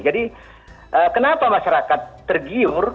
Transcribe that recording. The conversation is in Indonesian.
jadi kenapa masyarakat tergiur